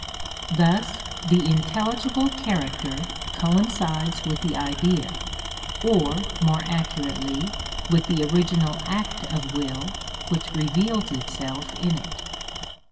(38) Thus the intelligible character coincides with the Idea, or, more accurately, with the original act of will which reveals itself in it.